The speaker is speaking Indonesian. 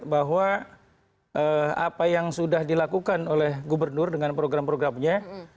bahwa apa yang sudah dilakukan oleh gubernur dengan program programnya